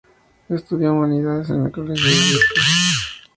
Estudió humanidades en el colegio de Dieppe.